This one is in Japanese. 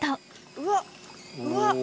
うわっうわっ。